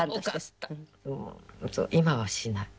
あっ今はしない？